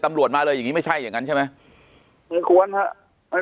ตำรวจมาเลยอย่างนี้ไม่ใช่อย่างนั้นใช่ไหมไม่ควรครับ